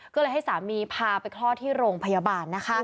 ก็เลยให้สามีพาไปคลอดที่โรงพยาบาลนะคะ